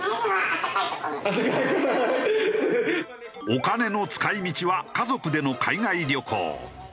お金の使い道は家族での海外旅行。